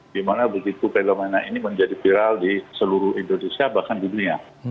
di mana begitu fenomena ini menjadi viral di seluruh indonesia bahkan dunia